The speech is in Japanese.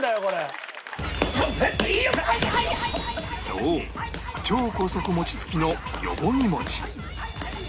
そう超高速餅つきのよもぎ餅